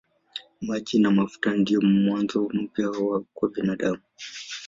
Maji na mafuta ndiyo mwanzo mpya kwa binadamu.